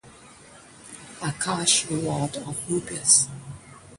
A cash reward of Rs.